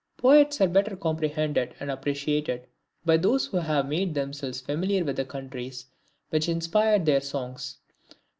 Poets are better comprehended and appreciated by those who have made themselves familiar with the countries which inspired their songs.